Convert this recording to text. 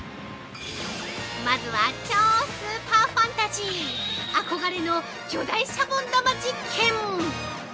まずは、超スーパーファンタジー憧れの巨大シャボン玉実験！